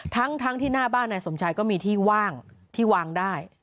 ทั้งที่หน้าบ้านนายสมชายก็มีที่ว่างที่วางได้